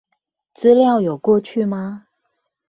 資料有過去嗎